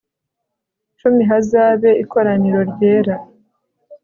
cumi hazabe ikoraniro ryera